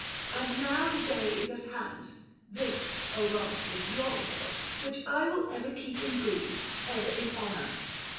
And now the day is at hand (this, O gods, was your will), which I will ever keep in grief, ever in honour.